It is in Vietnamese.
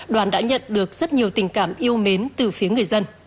đoàn đã nhận được rất nhiều tình cảm yêu mến từ phía người dân